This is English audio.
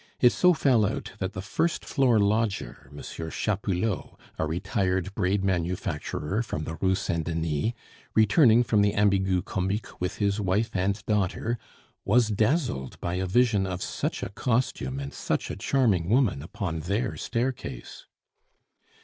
It so fell out that the first floor lodger, M. Chapoulot, a retired braid manufacturer from the Rue Saint Denis, returning from the Ambigu Comique with his wife and daughter, was dazzled by a vision of such a costume and such a charming woman upon their staircase.